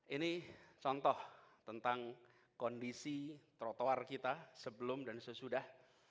ini contoh tentang kondisi trotoar kita sebelum dan sesudah